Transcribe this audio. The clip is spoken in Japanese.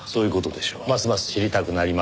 ますます知りたくなりますねぇ。